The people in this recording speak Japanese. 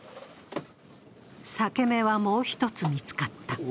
裂け目はもう一つ見つかった。